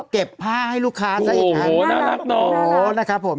เก็บผ้าให้ลูกค้าซะอีกฮะโอ้โหน่ารักเนอะนะครับผม